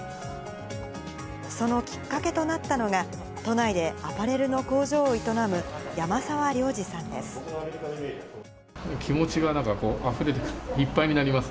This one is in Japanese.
そのきっかけとなったのが、都内でアパレルの工場を営む山澤亨治さんです。